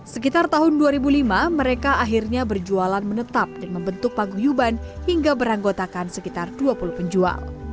sekitar tahun dua ribu lima mereka akhirnya berjualan menetap dan membentuk paguyuban hingga beranggotakan sekitar dua puluh penjual